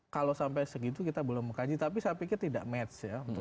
kalau sampai segitu kita belum mengkaji tapi saya pikir tidak match ya